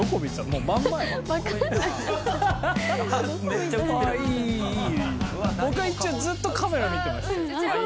「僕は一応ずっとカメラ見てましたよ」